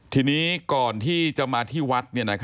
ทีนี้ก่อนที่จะมาที่วัด